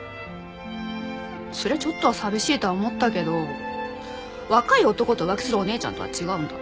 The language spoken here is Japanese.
そりゃちょっとは寂しいとは思ったけど若い男と浮気するお姉ちゃんとは違うんだって。